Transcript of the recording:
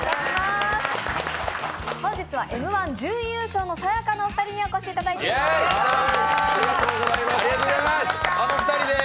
本日はＭ−１準優勝のさや香のお二人にお越しいただいております。